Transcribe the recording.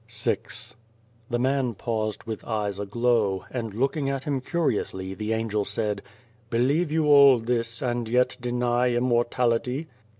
94 VI THE man paused with eyes aglow, and looking at him curiously, the Angel said :" Believe you all this, and yet deny Im mortality